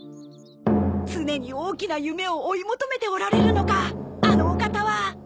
常に大きな夢を追い求めておられるのかあのお方は！